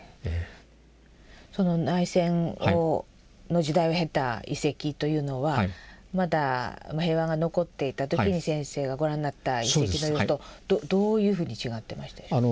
その内戦の時代を経た遺跡というのはまだ平和が残っていた時に先生がご覧になった遺跡の様子とどういうふうに違ってましたでしょうか？